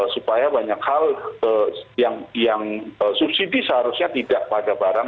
supaya banyak hal yang subsidi seharusnya tidak pada barang